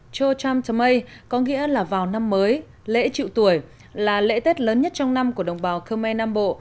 trô trăm thơ mây có nghĩa là vào năm mới lễ triệu tuổi là lễ tết lớn nhất trong năm của đồng bào khơ me nam bộ